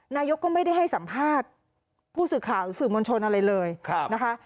นายกก็ไม่ได้ให้สัมภาษณ์ผู้สื่อข่าวหรือสื่อมวลชนอะไรเลยนะคะ